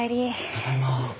ただいま。